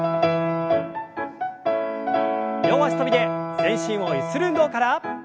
両脚跳びで全身をゆする運動から。